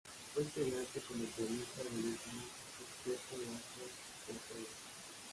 Fue integrante como pianista del último sexteto de Astor Piazzolla.